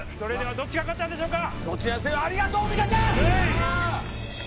どっちが勝ったんでしょうか？